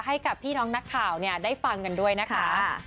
ให้กับพี่น้องนักข่าวได้ฟังกันด้วยนะคะ